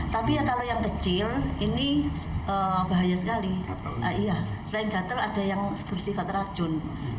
tapi kalau yang kecil ini bahaya sekali selain gatel ada yang bersifat racun